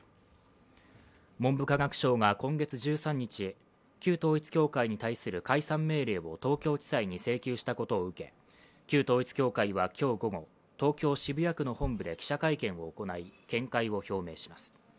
文部科学省が今月１３日旧統一教会に対する解散命令を東京地裁に請求したことを受け、旧統一教会は今日午後、東京・渋谷区の本部で記者会見を行い、見解を表明します。